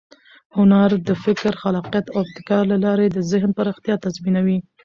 هنر د فکر، خلاقیت او ابتکار له لارې د ذهن پراختیا تضمینوي.